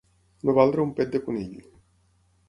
No valer un pet de conill.